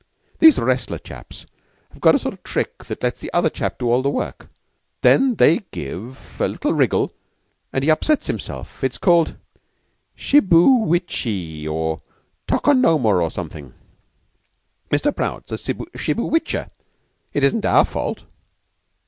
These wrestler chaps have got sort sort of trick that lets the other chap do all the work. Than they give a little wriggle, and he upsets himself. It's called shibbuwichee or tokonoma, or somethin'. Mr. Prout's a shibbuwicher. It isn't our fault."